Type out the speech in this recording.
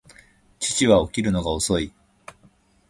父は起きるのが遅い